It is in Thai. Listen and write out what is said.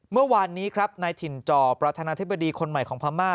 เมื่อวานนี้ครับนายถิ่นจอประธานาธิบดีคนใหม่ของพม่า